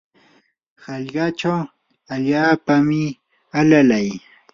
hallqachaw allaapami alalay.